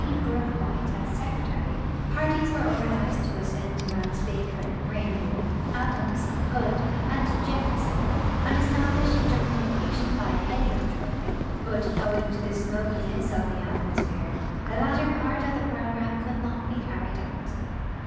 Brook White as secretary, parties were organized to ascend Mounts Baker, Rainier, Adams, Hood, and Jefferson and establish inter communication by heliotroping, but, owing to the smokiness of the at mosphere, the latter part of the program could not be carried out.